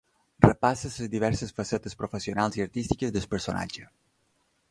Repassa les diverses facetes professionals i artístiques del personatge.